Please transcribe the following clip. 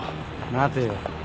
待てよ。